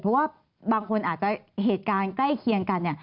เพราะว่าบางคนเหตุการณ์ใกล้เคียงกัน